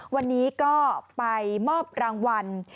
วันนี้ก็ไปมอบรางวัล